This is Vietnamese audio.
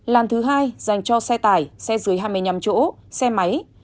làn thứ hai dành cho xe tải xe dưới hai mươi năm chỗ xe máy